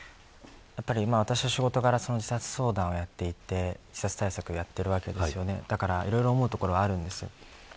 私の仕事柄自殺相談をやっていて自殺対策をやってるわけですよねだから、いろいろ思うところはあるわけです。